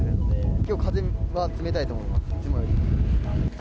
きょう、風は冷たいと思います、いつもより。